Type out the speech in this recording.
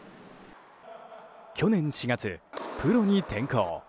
去年４月、プロに転向。